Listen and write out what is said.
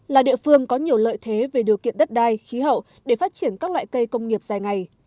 là địa phương có nhiều lợi thế về điều kiện đất đai khí hậu để phát triển các loại cây công nghiệp dài ngày